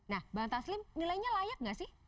nah bang taslim nilainya layak nggak sih